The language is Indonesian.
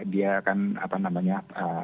dia kan apa namanya